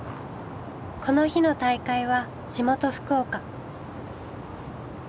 この日の大会は地元福岡。